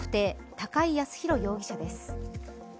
高井靖弘容疑者です。